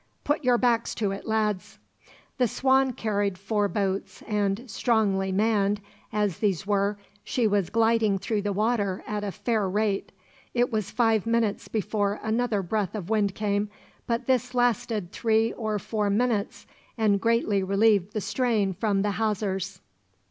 Put your backs to it, lads." The Swan carried four boats and, strongly manned as these were, she was gliding through the water at a fair rate. It was five minutes before another breath of wind came, but this lasted three or four minutes, and greatly relieved the strain from the hawsers.